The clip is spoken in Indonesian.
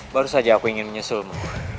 baru saja aku ingin menyusulmu